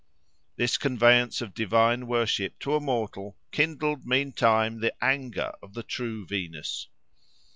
This conveyance of divine worship to a mortal kindled meantime the anger of the true Venus.